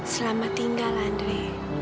selamat tinggal andre